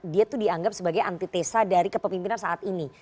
dia itu dianggap sebagai antitesa dari kepemimpinan saat ini